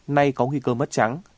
nay có nguy cơ mất trắng